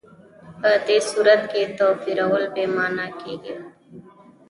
په دې صورت کې توپیرول بې معنا کېږي.